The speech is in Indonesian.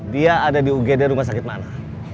dia ada di ugd rumah sakit mana